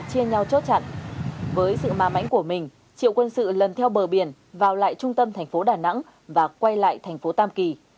chia nhau chốt chặn với sự ma mãnh của mình triệu quân sự lần theo bờ biển vào lại trung tâm thành phố đà nẵng và quay lại thành phố tam kỳ